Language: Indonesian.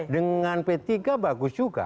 dengan p tiga bagus juga